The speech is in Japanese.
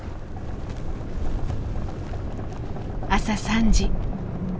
朝３時。